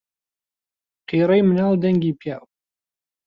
قیڕەی مناڵ دەنگی پیاو